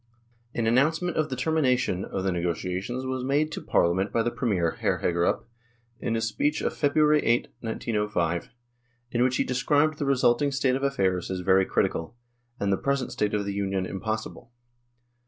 An announcement of the termination of the negotiations was made to Parliament by the Premier (Hr. Hagerup) in a speech on Feb. 8, 1905, in which he described the resulting state of affairs as very critical, and the present state of the Union impossi ble.